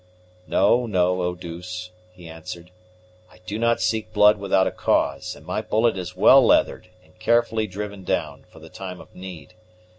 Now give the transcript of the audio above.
"No, no, Eau douce," he answered; "I do not seek blood without a cause; and my bullet is well leathered and carefully driven down, for the time of need.